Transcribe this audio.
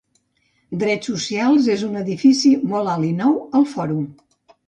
Drets Socials és en un edifici molt alt i nou, al Fòrum.